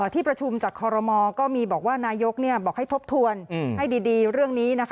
ที่ประชุมจากคอรมอก็มีบอกว่านายกบอกให้ทบทวนให้ดีเรื่องนี้